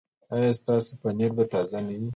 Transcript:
ایا ستاسو پنیر به تازه نه وي؟